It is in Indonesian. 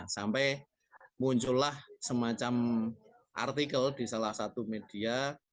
sampai muncullah semacam artikel di salah satu media